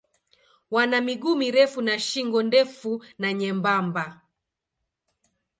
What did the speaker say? Wana miguu mirefu na shingo ndefu na nyembamba.